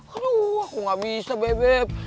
aduh aku gak bisa bebek